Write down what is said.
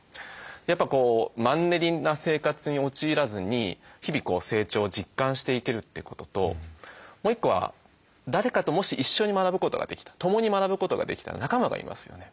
やっぱマンネリな生活に陥らずに日々成長を実感していけるってことともう一個は誰かともし一緒に学ぶことができた共に学ぶことができたら仲間がいますよね。